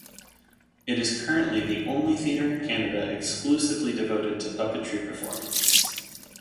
It is currently the only theatre in Canada exclusively devoted to puppetry performance.